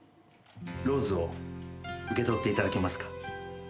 ローズを受け取っていただけますか？